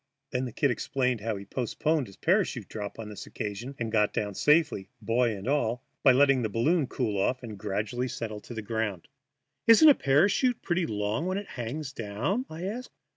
Then the "Kid" explained how he postponed his parachute drop on this occasion and got down safely, boy and all, by letting the balloon cool off and gradually settle to the ground. "Isn't a parachute pretty long when it hangs down?" I asked.